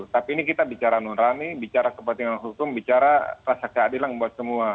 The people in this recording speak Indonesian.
tapi ini kita bicara nurani bicara kepentingan non hukum bicara rasa keadilan buat semua